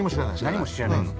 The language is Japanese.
何も知らないです。